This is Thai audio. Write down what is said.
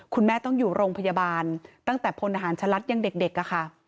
คุณแม่ต้องอยู่โรงพยาบาลตั้งแต่พลทหารชะลัดยังเด็กอะค่ะ